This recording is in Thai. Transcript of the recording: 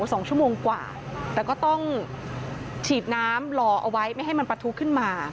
สองชั่วโมงกว่าแต่ก็ต้องฉีดน้ำรอเอาไว้ไม่ให้มันประทุขึ้นมา